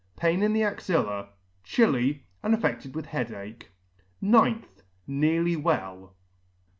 Pain in the axilla, chilly, and affe&ed with head ache. pth. Nearly well.